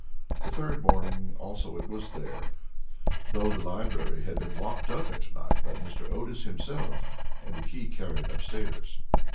The third morning also it was there, though the library had been locked up at night by Mr. Otis himself, and the key carried upstairs.